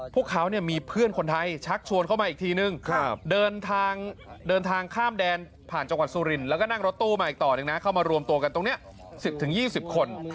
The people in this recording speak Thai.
มาอีกต่อหนึ่งนะเข้ามารวมตัวกันตรงนี้๑๐๒๐คน